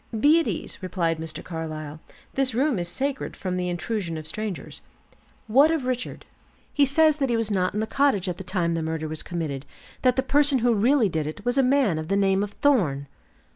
"Be at ease," replied Mr. Carlyle; "this room is sacred from the intrusion of strangers. What of Richard?" "He says that he was not in the cottage at the time the murder was committed; that the person who really did it was a man of the name of Thorn."